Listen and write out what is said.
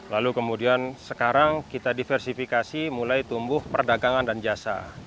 lalu kemudian sekarang kita diversifikasi mulai tumbuh perdagangan dan jasa